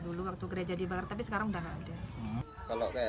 dulu waktu gereja dibangun tapi sekarang sudah tidak ada